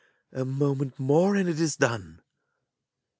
A moment more, and it is done!